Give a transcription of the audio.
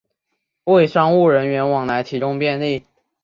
为商务人员往来提供便利